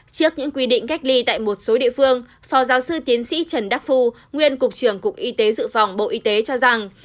trước những quy định cách ly tại một số địa phương phó giáo sư tiến sĩ trần đắc phu nguyên cục trưởng cục y tế dự phòng bộ y tế cho rằng